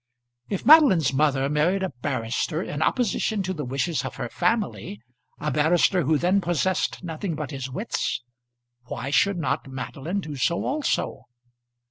If Madeline's mother married a barrister in opposition to the wishes of her family a barrister who then possessed nothing but his wits why should not Madeline do so also?